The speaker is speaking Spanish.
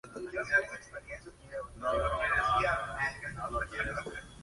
Todas tenían siempre pretendientes dispuestos a casarse con ellas.